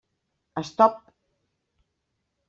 Stop.